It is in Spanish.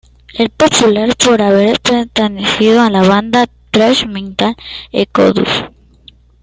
Es popular por haber pertenecido a la banda de thrash metal Exodus.